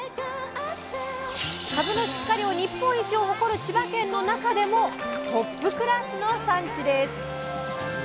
かぶの出荷量日本一を誇る千葉県の中でもトップクラスの産地です！